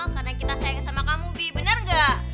semua karena kita sayang sama kamu bi bener gak